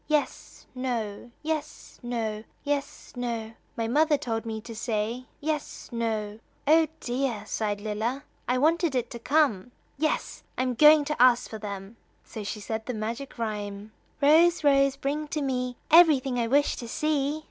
"Yes; no; yes; no; yes; no; My mother told me to say Yes; no." "Oh, dear," sighed Lilla, "I wanted it to come, 'yes' I am going to ask for them!" So she said the magic rhyme: "Rose, Rose, bring to me Everything I wish to see."